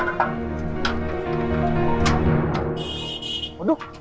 assalamualaikum warahmatullahi wabarakatuh